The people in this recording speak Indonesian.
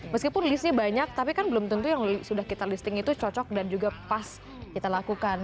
meskipun listnya banyak tapi kan belum tentu yang sudah kita listing itu cocok dan juga pas kita lakukan